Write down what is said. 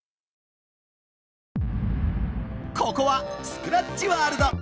ここはスクラッチワールド！